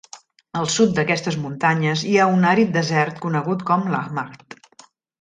Al sud d'aquestes muntanyes hi ha un àrid desert conegut com l'Hamad.